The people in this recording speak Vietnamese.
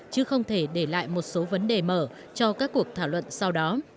chứ không thể để lại một số vấn đề mở cho các cuộc thảo luận sau đó